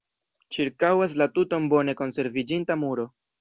Ĉirkaŭas la tuton bone konserviĝinta muro.